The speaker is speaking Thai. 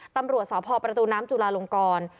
ตำรวจสพประตูน้ำจุลาลงกร